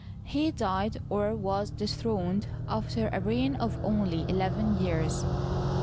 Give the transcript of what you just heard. He died, or was dethroned, after a reign of only eleven years.